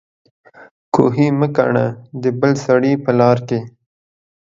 کوهي مه کنه د بل سړي په لار کې